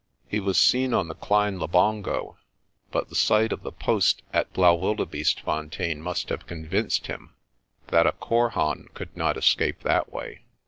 He was seen on the Klein Labongo but the sight of the post at Blaauwildebeestefontein must have convinced him that a korhaan could not escape that way.